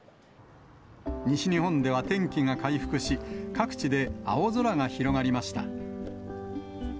西日本では天気が回復し、各地で青空が広がりました。